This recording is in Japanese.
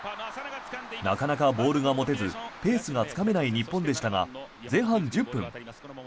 なかなかボールが持てずペースがつかめない日本でしたが前半１０分。